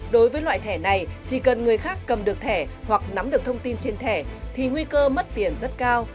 đối với loại thẻ này chỉ cần người khác cầm được thẻ hoặc nắm được thông tin trên thẻ thì nguy cơ mất tiền rất cao